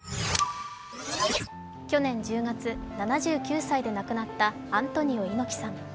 去年１０月、７９歳で亡くなったアントニオ猪木さん。